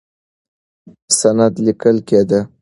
سند لیکل کېده.